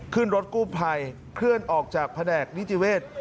ขึ้นรถกู้ไพรเคลื่อนออกจากแผนกนิจเวทย์